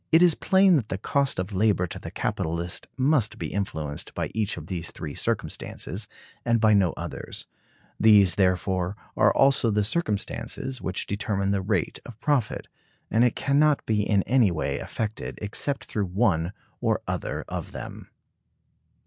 It is plain that the cost of labor to the capitalist must be influenced by each of these three circumstances, and by no others. These, therefore, are also the circumstances which determine the rate of profit; and it can not be in any way affected except through one or other of them.